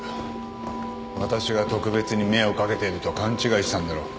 私が特別に目をかけていると勘違いしたんだろう。